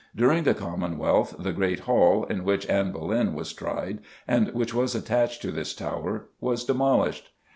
During the Commonwealth the great hall in which Anne Boleyn was tried, and which was attached to this tower, was demolished.